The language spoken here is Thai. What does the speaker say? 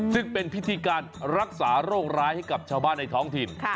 ซึ่งเป็นพิธีการรักษาโรคร้ายให้กับชาวบ้านในท้องถิ่น